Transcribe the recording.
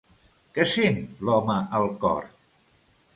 Què sent l'home al cor?